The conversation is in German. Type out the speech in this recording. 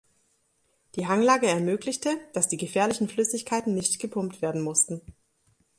Die Hanglage ermöglichte, dass die gefährlichen Flüssigkeiten nicht gepumpt werden mussten.